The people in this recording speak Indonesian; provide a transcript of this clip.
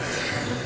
hai di ayo